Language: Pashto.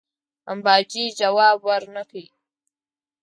امباجي جواب ورنه کړ.